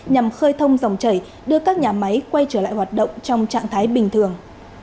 nhằm khơi thông dòng chảy đưa các nhà máy quay trở lại hoạt động trong trạng thái bình thường